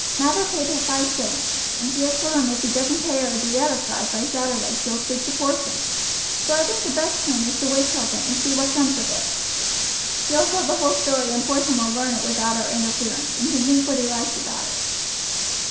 Mather paid her five shillings, and she has told him if he doesn't pay her the other five by Saturday she will speak to Porson; so I think the best plan is to wait till then and see what comes of it. She will tell the whole story and Porson will learn it without our interference, and can think what he likes about it."